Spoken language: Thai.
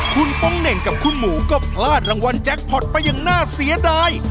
คุณป้องเหน่งกับคุณหมูก็พลาดรางวัลแจ็คพอร์ตไปอย่างน่าเสียดาย